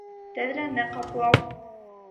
Тәҙрәне ҡаплау